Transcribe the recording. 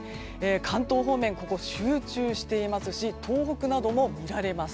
関東方面集中しているところがありますし東北などにもみられます。